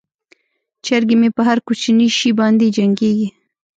چرګې مې په هر کوچني شي باندې جنګیږي.